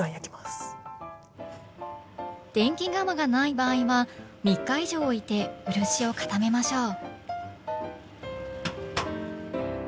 電気釜がない場合は３日以上おいて漆を固めましょう。